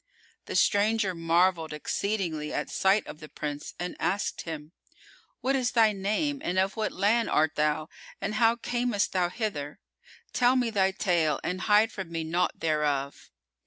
The stranger marvelled exceedingly at sight of the Prince and asked him, "What is thy name and of what land art thou and how camest thou hither? Tell me thy tale and hide from me naught thereof."